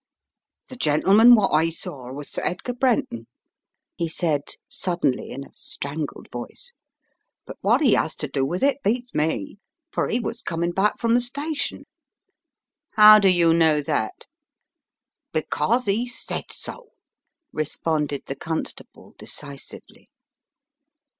"The gentleman wot I saw was Sir Edgar Bren ton," he said, suddenly, in a strangled voice, "but what 'e 'as to do with it, beats me. For 'e was coming back from the station " "How do you know that?" "Because 'e said so," responded the constable, decisively.